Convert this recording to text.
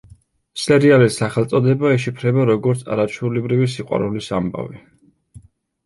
სერიალის სახელწოდება იშიფრება, როგორ „არაჩვეულებრივი სიყვარულის ამბავი“.